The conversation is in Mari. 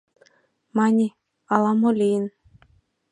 Мане, ала-мо лийын.